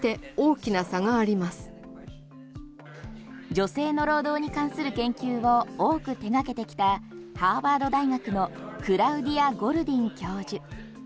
女性の労働に関する研究を多く手がけてきたハーバード大学のクラウディア・ゴルディン教授。